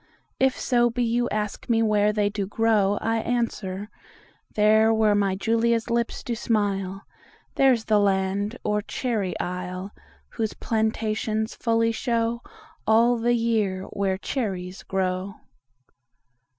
If so be you ask me whereThey do grow, I answer: ThereWhere my Julia's lips do smile; There's the land, or cherry isle, Whose plantations fully showAll the year where cherries grow.